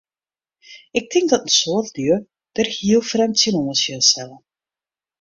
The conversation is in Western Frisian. Ik tink dat in soad lju dêr hiel frjemd tsjinoan sjen sille.